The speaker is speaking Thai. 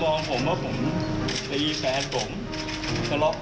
แต่นั่นมันแค่ปลายเหตุคือเปล่าครับ